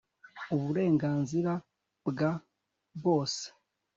uburenganzira bwa bose